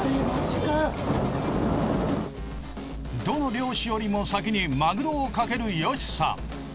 どの漁師よりも先にマグロを掛けるヨシさん。